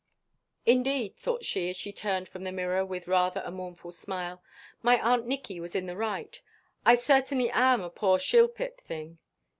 "Indeed," thought she, as she turned from the mirror, with rather a mournful smile, "my Aunt Nicky was in the right: I certainly am a poor shilpit thing."